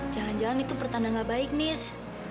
jangan jangan itu pertanda nggak baik nis